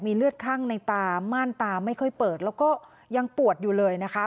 เลือดข้างในตาม่านตาไม่ค่อยเปิดแล้วก็ยังปวดอยู่เลยนะคะ